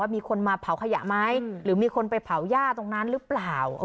มีคนมาเผาขยะไหมหรือมีคนไปเผาหญ้าตรงนั้นหรือเปล่า